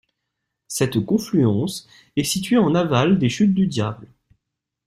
Cette confluence est située en aval des Chutes du Diable.